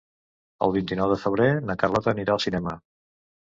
El vint-i-nou de febrer na Carlota anirà al cinema.